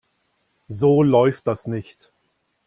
So läuft das nicht.